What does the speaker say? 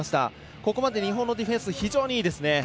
ここまで日本のディフェンス非常にいいですね。